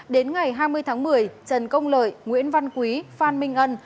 đến ngày hai mươi tháng một mươi trần công lợi nguyễn văn quý phan minh ân